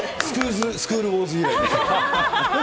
スクールウォーズ以来ですね。